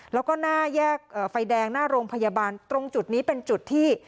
แล้วก็หน้าแยกไฟแดงหน้าโรงพยาบาลตรงจุดนี้เป็นจุดที่